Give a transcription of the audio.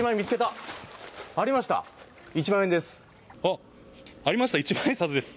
ありました、一万円です。